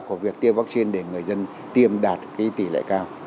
của việc tiêm vaccine để người dân tiêm đạt tỷ lệ cao